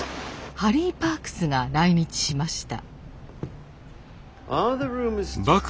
ハリー・パークスが来日しました。